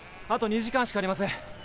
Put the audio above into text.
あと２時間しかありません。